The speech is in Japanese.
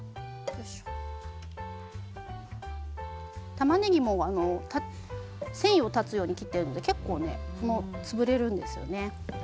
たまねぎも繊維を断つように切っているので結構潰れるんですよね。